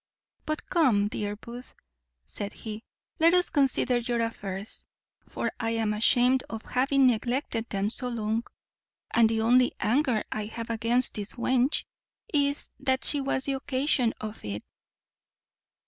But come, dear Booth," said he, "let us consider your affairs; for I am ashamed of having neglected them so long; and the only anger I have against this wench is, that she was the occasion of it."